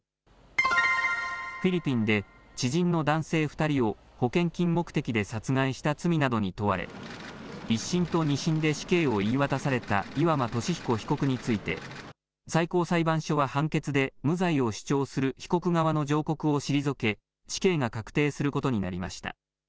フィリピンで知人の男性２人を保険金目的で殺害した罪などに問われ、１審と２審で死刑を言い渡された岩間俊彦被告について、最高裁判所は判決で、無罪を主張する被告側の上告を退け、死刑が確定することになりました。